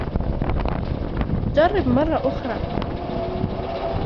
جرب مرة أخرى.